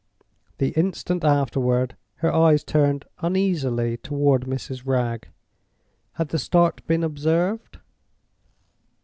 The instant afterward her eyes turned uneasily toward Mrs. Wragge. Had the start been observed?